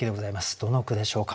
どの句でしょうか。